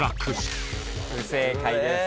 不正解です。